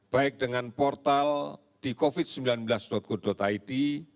baik dengan portal di covid sembilan belas go id